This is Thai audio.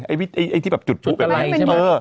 ไอ้ที่แบบจุดผู้แบบนี้